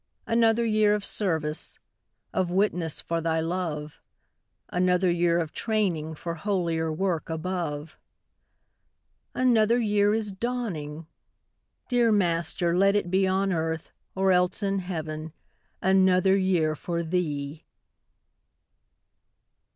Another year of service, Of witness for Thy love; Another year of training For holier work above. Another year is dawning! Dear Master, let it be On earth, or else in heaven, Another year for Thee!